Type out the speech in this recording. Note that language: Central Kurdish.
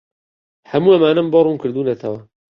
هەموو ئەمانەم بۆ ڕوون کردوونەتەوە.